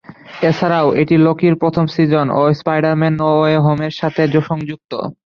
এছাড়াও এটি "লোকি"র প্রথম সিজন ও "Spider Man: No Way Home" এর সাথে সংযুক্ত।